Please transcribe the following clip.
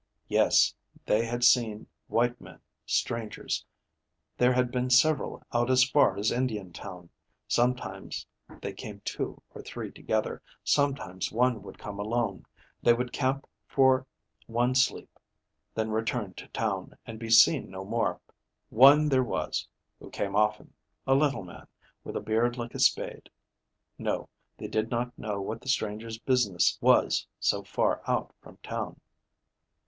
"Yes, they had seen white men strangers. There had been several out as far as Indiantown. Sometimes they came two or three together. Sometimes one would come alone. They would camp for one sleep, then return to town and be seen no more. One there was who came often a little man, with a beard like a spade. No, they did not know what the strangers' business was so far out from town.